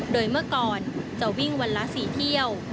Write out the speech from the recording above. โดยเมื่อก่อนจะวิ่งวันละ๔เที่ยว